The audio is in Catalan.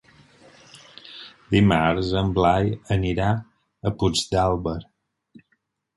Dimarts en Blai anirà a Puigdàlber.